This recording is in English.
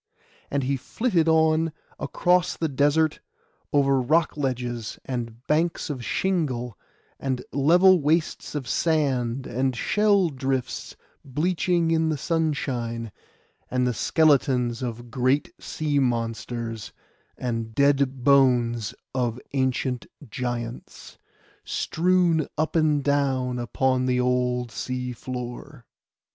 And he flitted on across the desert: over rock ledges, and banks of shingle, and level wastes of sand, and shell drifts bleaching in the sunshine, and the skeletons of great sea monsters, and dead bones of ancient giants, strewn up and down upon the old sea floor.